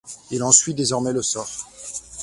Il en suit désormais le sort.